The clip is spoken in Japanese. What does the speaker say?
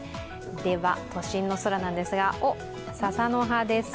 都心の空なんですが笹の葉です。